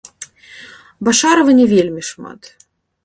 Башарава не вельмі шмат.